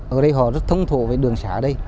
ở đây họ rất thông thổ với đường xá đây